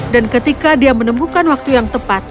dan ketika dia menemukan waktu yang tepat